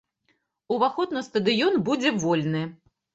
Уваход на стадыён будзе вольны.